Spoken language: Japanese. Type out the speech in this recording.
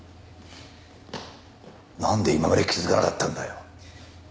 なんで今まで気づかなかったんだよ？